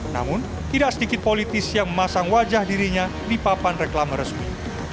namun tidak sedikit politis yang memasang wajah dirinya di papan reklama resmi